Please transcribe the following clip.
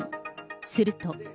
すると。